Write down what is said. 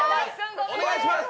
お願いします。